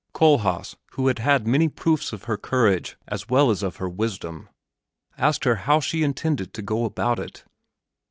Kohlhaas, who had had many proofs of her courage as well as of her wisdom, asked her how she intended to go about it.